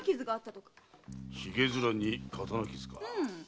ヒゲ面に刀傷か。